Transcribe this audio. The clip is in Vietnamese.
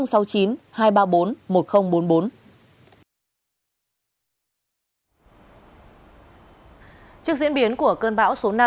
các địa phương đã tìm hiểu về cơn bão số năm